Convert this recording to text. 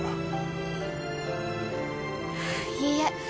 いいえ。